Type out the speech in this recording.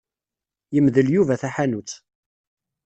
Yemdel Yuba taḥanut.